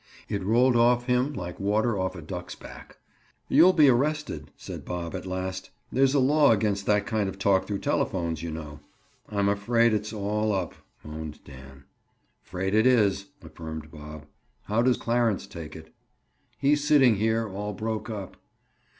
It rolled off him like water off a duck's back. "You'll be arrested," said Bob at last. "There's a law against that kind of talk through telephones, you know." "I'm afraid it's all up," moaned Dan. "'Fraid it is!" affirmed Bob. "How does Clarence take it?" "He's sitting here, all broke up."